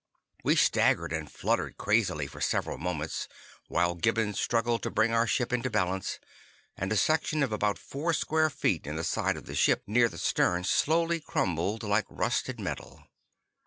We staggered, and fluttered crazily for several moments while Gibbons struggled to bring our ship into balance, and a section of about four square feet in the side of the ship near the stern slowly crumbled like rusted metal.